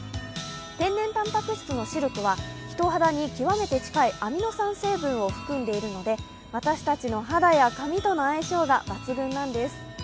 天然たんぱく質のシルクは、人肌に極めて近いアミノ酸成分を含んでいるので私たちの肌や髪との相性が抜群なんです。